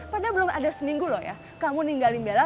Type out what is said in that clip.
padahal belum ada seminggu loh ya kamu ninggalin bela